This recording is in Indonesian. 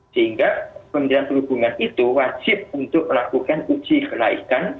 sehingga kementerian perhubungan itu wajib untuk melakukan uji kelaikan